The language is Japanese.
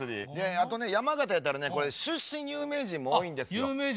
あとね山形やったらね出身有名人も多いんですよ。